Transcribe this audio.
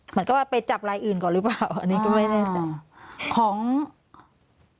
เหมือนกับว่าไปจับรายอื่นก่อนหรือเปล่าอันนี้ก็ไม่แน่ใจของ